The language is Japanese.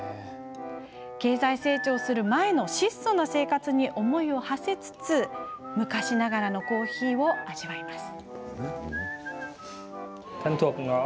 経済成長する前の質素な生活に思いをはせつつ昔ながらのコーヒーを味わいます。